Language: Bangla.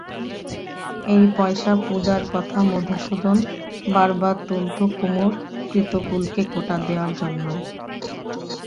এই পয়সা-পূজার কথা মধুসূদন বার বার তুলত কুমুর পিতৃকুলকে খোঁটা দেবার জন্যেই।